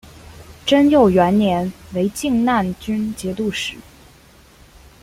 贞佑元年为静难军节度使。